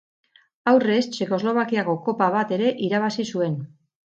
Aurrez Txekoslovakiako kopa bat ere irabazi zuen.